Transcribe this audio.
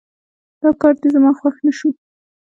دا کار دې زما خوښ نه شو